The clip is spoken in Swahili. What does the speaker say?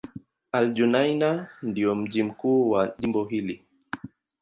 Al-Junaynah ndio mji mkuu wa jimbo hili.